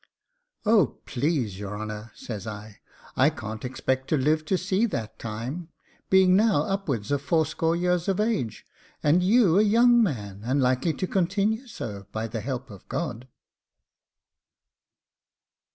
'Oh, please your honour,' says I, 'I can't expect to live to see that time, being now upwards of fourscore years of age, and you a young man, and likely to continue so, by the help of God.